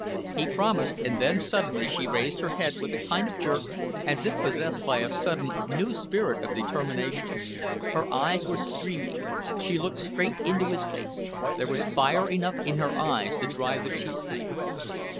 He promised and then suddenly she raised her head with a kind of jerk, as if possessed by a sudden, new spirit of determination. Her eyes were streaming. She looked straight into his face. There was fire enough in her eyes to dry the tears.